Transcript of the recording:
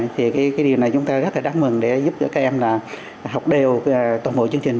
thì cái điều này chúng ta rất là đáng mừng để giúp cho các em là học đều toàn bộ chương trình